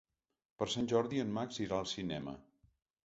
Per Sant Jordi en Max irà al cinema.